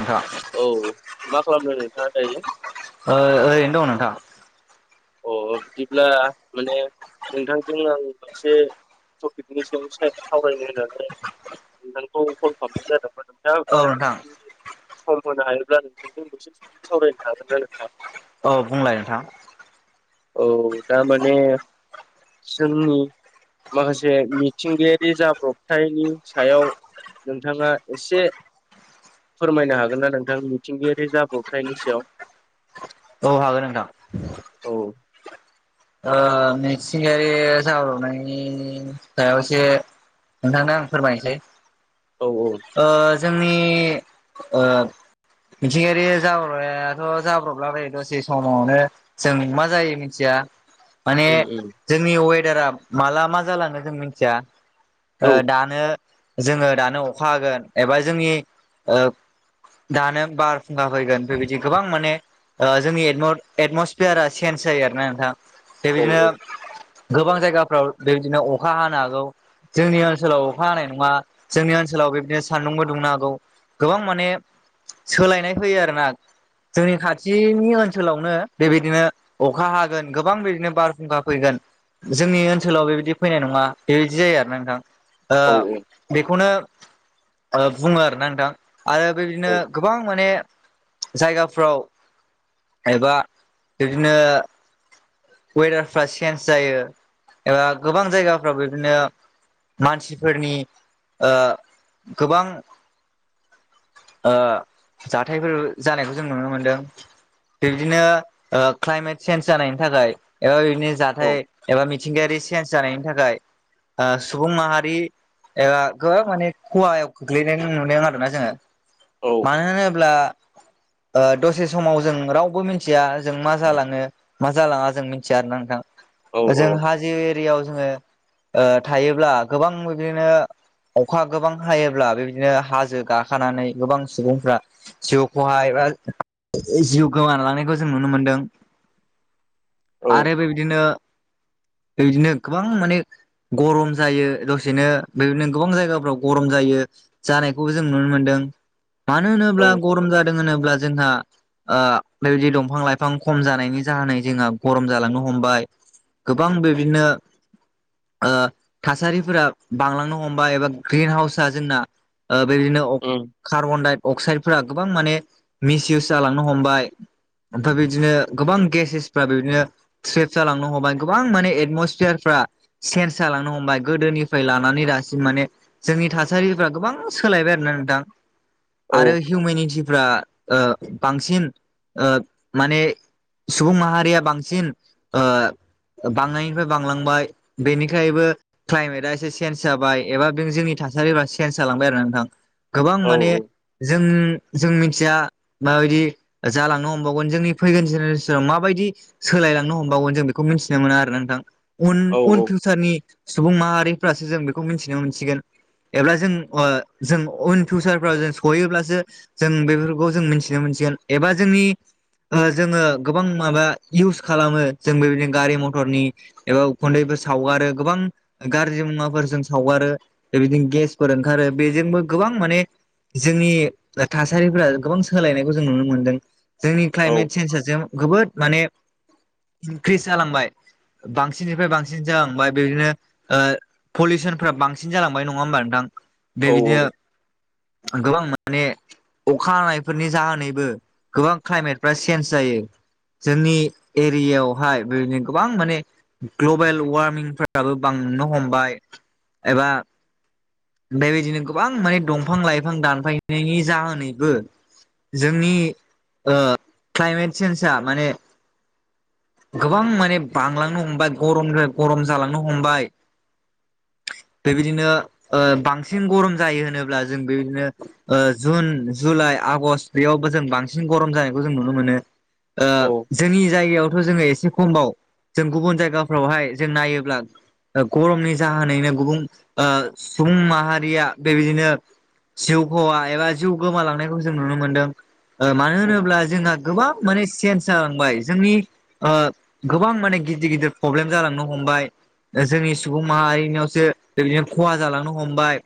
[unintelligible] औ मा खालामदों नोंथाङा दायो ओ ओरैनो दं नोंथां अ बिदिब्ला माने नोंथांजों आं मोनसे टपिकनि सायाव सावरायनो होननानै नोंथांखौ कल खालामनाय जादोंमोन नोंथां औ नोंथां सम होनो हायोब्ला नोंथांजों दसे सम सावरायनो हागोन ना नोंथाङा औ बुंलाय नोंथां औ दा माने जोंनि माखासे मिथिंगायारि जाब्रबथायनि सायाव नोंथाङा एसे फोरमायनो हागोन ना नोंथां मिथिंगायारि जाब्रबथायनि सायाव औ हागोन नोंथां औ ओ मिथिंगायारि जाब्रबनायनि सायाव इसे नोंथांनो आं फोरमायनोसै औ औ ओ जोंनि ओ मिथिंगायारि जाब्र'ब थायाथ' जाब्रबलाबायो दसे समावनो जों मा जायो मिथिया माने जोंनि वेदारा माला मा जालाङो जों मिथिया औ ओ दा नो जोङो दानो अखा हागोन एबा जोंनि ओ दानो बार फुंखा फैगोन बेबायदि गोबां माने ओ जोंनि एटम एटमसफेयारा चेन्ज जायो आरोना नोंथां बेबायदिनो गोबां जायगाफ्राव बेबायदिनो अखा हानो हागौ जोंनि ओनसोलाव अखा हानाय नङा जोंनि ओनसोलाव बेदिनो सान्दुंबो दुंनो हागौ गोबां माने सोलायनाय फैयो आरोना जोंनि खाथिनि ओनसोलावनो बेबायदिनो अखा हागोन गोबां बिदिनो बारहुंखा फैगोन जोंनि ओनसोलाव बेबायदि फैनाय नङा बेबायदि जायो आरोना नोंथां ओ बेखौनो ओ बुङो आरोना नोंथां आरो बे बायदिनो गोबां माने जायगाफ्राव एबा बिदिनो वेदारफ्रा चेन्ज जायो ओ गोबां जायगाफ्राव बिदिनो मानसिफोरनि ओ गोबां ओ जाथायफोर जानायखौ जों नुनो मोनदों बिद्बिनो ओ क्लाइमेट सेेन्ज जानायनि थाखाय एबा बिदिनो जाथाय एबा मिथिं मिथिंगायारि चेन्ज जानायनि थाखाय ओ सुबुं माहारि एबा गोबां माने खवायाव खोख्लैनाय नुनो नुदों आरोना जोङो औ मानो होनोब्ला ओ दसे समाव जों रावबो मिथिया जों मा जालाङो मा जालाङा जों मिथिया आरो ना औ नोंथां जों हाजो एरियाव जोङो ओ थायोब्ला गोबां बिदिनो अखा गोबां हायोब्ला बेबायदिनो हाजो गाखानानै गोबां सुबुंफ्रा जिउखौहाय एबा जिउ गोमा लांनायखौ जों नुनो मोनदों। औ आरो बेबायदिनो बेबायदिनो गोबां माने गरम जायो दसेनो बेनो गोबां जायगाफ्राव गरम जायो। जानायखौबो जों नुनो मोन्दों मानो होनोब्ला गरम जायो। होनोब्ला जोंहा बेबायदि दंफां-लाइफां खम जानायनि जाहोन जोंहा गरम जालांनो हमबाय गोबां बेबादिनो ओ थासारिफोरा बांलांनो हमब एबा ग्रिन हाउसआ जोंना ओ बेबायदिनो अख उम, कार्बन-डाइ-अक्साइड फोर गोबां माने मिसयउस जालांनो हमबाय ओ ओमफ्राय बिदिनो गोबां गेसेसफ्रा बे बिनो स्रेप जालांनो हमबाय गोबां माने एटमसफेयारफ्रा चेन्स जालांनो हमबाय गोदोनिफ्राय लानानै दासिम माने जोंनि थासारिफ्रा गोबां सोलायबाय आरो ना नोंथां औ आरो हिउमेनिटिफ्रा बांसिन माने सुबुं माहारिया बांसिन बांनायनिफ्राय बांलांबाय बेनिखायबो क्लाइमेटआ एसे सेनस जाबाय एबा बे जोंनि थासारिफ्रा सेन्स जालांबाय आरो नोंथां गोबां माने जों जों मिथिया माबायदि जालांनो हमबावगोन जोंनि फैगोन जेनेरेसनाव माबायदि सोलायलांनो हमबावगोन जों बेखौ मिथिनो मोना आरो नोंथां उन औ उन फिउचारनि सुबुं माहारिफ्रासो जों बेखौ मिथिनो मोनसिगोन एब्ला जों जों उन फिउसारफ्राव जों सहैयोब्लासो जों बेफोरखौ जों मिथिनो मोनसिगोन एबा जोंनि जोङो गोबां माबा इउस खालामो जों बेबायदिनो गारि मथरनि एबा उखुन्दैफोर सावगारो गोबां गाज्रि मुवाफोरजों सावगारो बेबायदिनो गेसफोर ओंखारो बेजोंबो गोबां माने जोंनि थासारिफोरा गोबां सोलायनायखौ जों नुनो मोनदों। जोंनि क्लाइमेट चेन्ज जों जोबोद माने इनक्रिस जालांबाय बांसिननिफ्राय बांसिन जालांबाय बिदिनो पलिउसनफ्रा बांसिन जालांबाय नङा होमबा नोंथां बेबायदिनो गोबां माने अखा हानायफोरनि जाहोनैबो गोबां क्लाइमेटफ्रा चेन्ज जायो जोंनि एरियायावहाय बेनो गोबां माने ग्लबेल वार्मिंफोराबो बांनो हमबाय एबा बेमफ्रायबायदिनो गोबां माने दंफां-लाइफां दानफायनायनि जाहोनैबो जोंनि क्लाइमेट सेेन्जआ माने गोबां माने बांलांनो हमबाय गरम ज गरम जालांनो हमबाय। बेबायदिनो बांसिन गरम जायो होनोब्ला जों बेबायदिनो जुन जुलाइ आगषट बेयावबो जों बांसिन गरम जानायखौ जों नुनो मोनो। जोंनि जायगायावथ' जोङो एसे खमाव जों गुबुन जायगाफ्रावहाय जों नायोब्ला गरमनि जाहोनैनो गुबुन सुबुं माहारिया बेबायदिनो जिउ खहा एबा जिउ गोमालांनायखौ जों नुनो मोनदों। मानो होनोब्ला जोंहा गोबां माने चेन्ज जालांबाय। जोंनि गोबां माने गिदिर गिदिर प्रब्लेम जालांनो हमबाय। जोंनि सुबुं माहारिनियावसो ओरैनो खहा जालांनो हमबाय।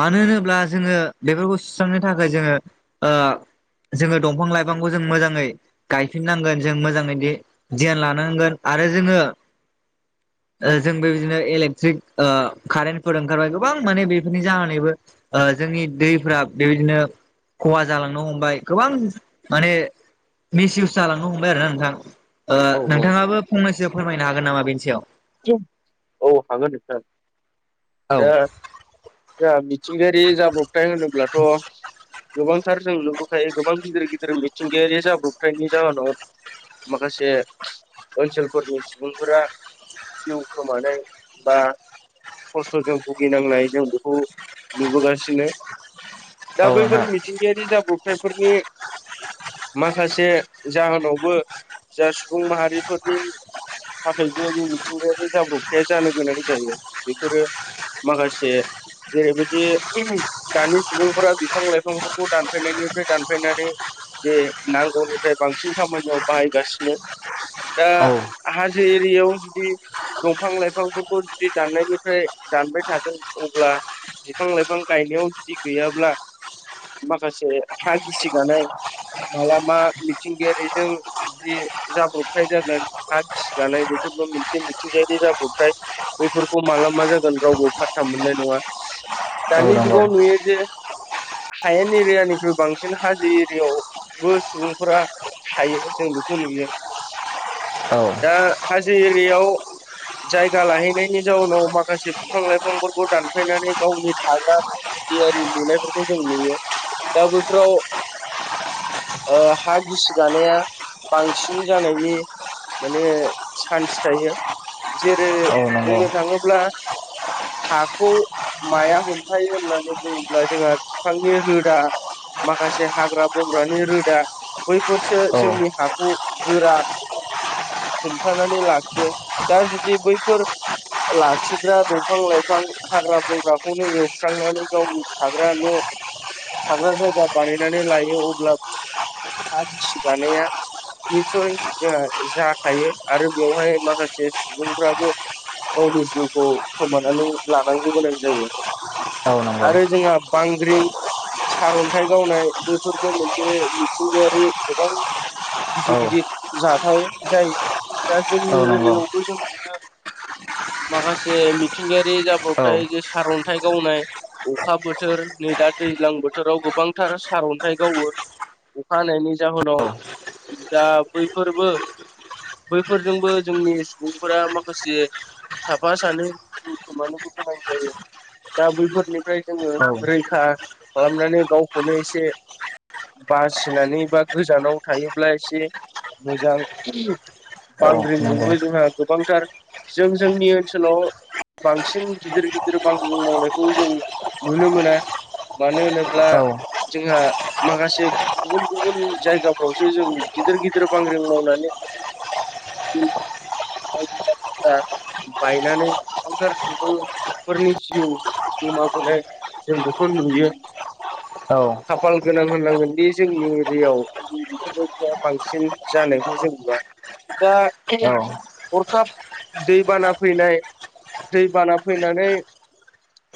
मानो होनोब्ला जोङो बेफोरखौ सुस्रांनो थाखाय जोङो जोङो दंफां लाइफांखौ जों मोजाङै गायफिननांगोन जों मोजाङैनो गियान लानांगोन आरो जोङो जों बेबायदिनो इलेक्ट्रिक कारेन्टफोर ओंखारबाय गोबां माने बेफोरनि जानानैबो ओ जोंनि दै बेबायदिनो खहा जालांनो हमबाय गोबां माने मिसयउस जालांनो हमबाय। आरो ना नोंथां नोंथाङाबो फंनैसोआव फोरमायनो हागोन नामा बेनि सायाव औ हागोन नोंथां औ औ। मिथिंगायारि जाब्रबथाय होनोब्लाथ' गोबांथार जों नुबोखायो गोबां गिदिर गिदिर मिथिंगायारि जाब्रबथायनि जाहोनाव माखासे ओनसोलफोरनि सुबुंफोरा जिउ खोमानो बा खस्थ'जों भुगिनांनाय जों बेखौ नुबोगासिनो औ दा नोंथां बैफोर मिथिंगायारि जाब्रबथायफोरनि माखासे जाहोनावबो जा सुबुं माहारिफोरनि थाखायबो मिथिंगायारि जाब्रबथाया जानो गोनां जायो बेफोरो माखासे जेरैबायदि दानि सुबुंफोरा बिफां लाइफांफोरखौ दानफैनायनिफ्राय दानफैनानै जे नांगौनिफ्राय बांसिन खामानियाव बाहायगासिनो। दा औ हाजो एरियायाव जुदि दंफां लाइफांफोरखौ जुदि दाननायनिफ्राय दानबाय थागोन अब्ला बिफां लाइफां गायनायाव जुदि गैयाब्ला माखासे हा गिसि गानाय माला मा मिथिंगायारिजों बिदि जाब्रबथाय जागोन हा खिसिगानाय बेफोरबो मोनसे थि मिथिंगायारि जाब्रबथाय बैफोरखौ माला मा जागोन रावबो फाथथा मोननाय नङा। औ दानि नंगौ जुगाव नुयो जे हायेन एरियानिख्रुइ बांसिन हाजो एरियायावबो सुबुंफोरा थायो जों बेखौ नुयो औ दा हाजो एरियायाव जायगा लाहैनायनि जाउनाव माखासे बिफां लाइफांफोरखौ दानफायनानै गावनि थाग्रा दियारि लुनायफोरखौ जों नुयो दा बेफोराव ओ हा गिसि दानाया बांसिन जानायनि माने चान्स थायो जेरै औ नंगौ बुंनो थाङोब्ला। हाखौ माया हमथायो होननानै बुङोब्ला जोंहा बिफांनि रोदा माखासे हाग्रा बंग्रानि रोदा बैफोरसो औ जोंनि हाखौ गोरा हमथानानै लाखियो। दा जुदि बैफोर लाखिग्रा दंफां लाइफां हाग्रा बंग्राखौनो एवस्रांनानै गावनि थाग्रा न' थाग्रा जायगा बानायनानै लायो अब्लाबो हा गिसि खानाया निसय जोंहा जाखायो आरो बेवहाय माखासे सासे सुबुंफ्राबो गावनि जिउखौ खोमानानै लानांगौ गोनां जायो। औ नंगौ आरो जोंहा बांग्रिं सारन्थाइ गावनाय बैफोरबो मोनसे मिथिंगायारि गोबां औ गिदिर गिदिर जाथाय जायो दा औ जोंनि नंगौ एरियायावबो जों बिनो माखासे मिथिंगायारि औ नंगौ औ जाब्रबथाय जे सारन्थाइ गावनाय अखा बोथोर नै दा दैज्लां बोथोराव गोबांथार सारन्थाइ गावो। अखा हानायनि जाहोनाव दा बैफोरबो बैफोरजोंबो जोंनि सुबुंफोर माखासे साफा सानै जिउ खोमानोबो गोनां जायो। दा बैफोरनिफ्राय जोङो रैखा खालामनानै गावखौनो एसे बासिनानै बा गोजानाव थायोब्ला एसे मोजां। बांग्रिंजोंबो जोंहा गोबांथार जों जोंनि ओनसोलाव बांसिन गिदिर गिदिर बांग्रिं मावनायखौ जों नुनो मोना। मानो होनोब्ला जोंहा माखासे गुबुन गुबुन जायगाफ्रावसो जों गिदिर गिदिर बांग्रिं मावनानै बायदि बसि बायनानै गोबांथार सुबुं फोरनि जिउ गोमाबलाय जों बेखौ नुयो। खाफाल गोनां होननांगोनदि जोंनि एरियायाव बेफोरबायदिया बांसिन जानायखौ जों ना दा अरखाब दै बाना फैनाय दै बाना फैनानै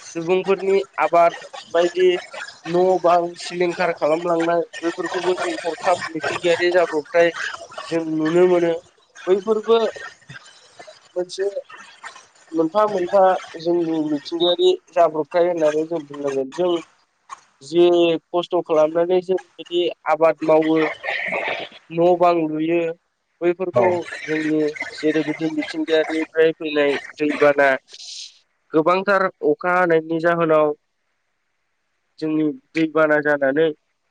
सुबुंफोरनि आबाद बायदि न' बां सिलिंखार खालामलांनाय बेफोरखौबो जों हरखाब मिथिंगायारि जाब्रबथाय जों नुनो मोनो। बैफोरबो मोनसे मोनफा मोनफा जोंनि मिथिंगायारि जाब्रबथाय होननानै जों बुंनांगोन जों जि खस्थ' खालामनानै जों बिदि आबाद मावो। न' बां लुयो बैफोरखौ जोंनि जेरैबायदि मिथिंगायारिफ्राय फैनाय दैबाना गोबांथार अखा हानायनि जाहोनाव जोंनि दैबाना जानानै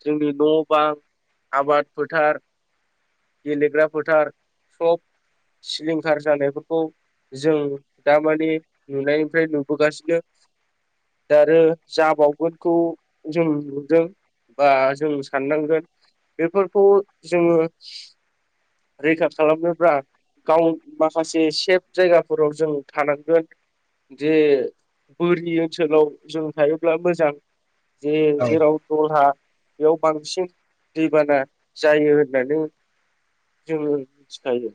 जोंनि न' बां आबाद फोथार गेलेग्रा फोथार सब सिलिंखार जानायफोरखौ जों दामानि नुनायनिफ्राय नुबोगासिनो दा आरो जाबावगोनखौ जों नुदों। बा जों साननांगोन बेफोरखौ जोङो रैखा खालामनोब्रा गाव माखासे सेफ जायगाफोराव जों थानांगोन। जे बोरि ओनसोलाव जों थायोब्ला मोजां जे जेराव दलहा बेयाव बांसिन दैबाना जायो होननानै जों मिथिखायो।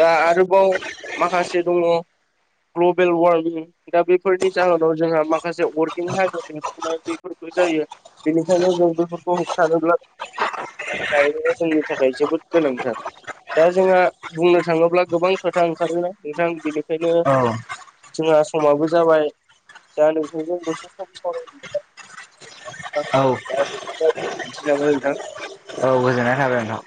दा आरोबाव माखासे दङ ग्लबेल वारमिं दा बेफोरनि जाहोनाव जोंहा माखासे अर्गिं हाजो देंफुनाय बेफोरखौ जायो। बेनिखायनो जों बेफोरखौ होबथानोब्ला गायनाया जोंनि थाखाय जोबोद गोनांथार दा जोंहा बुंनो थाङोब्ला गोबां खोथा ओंखारो ना नोंथां बेनिखायनो औ जोंहा समाबो जाबाय दा नोंथांजोंल'सो सम सावराबाय औ [unintelligible] दिनथि लाङो नोंथां गोजोननाय थाबाय नोंथां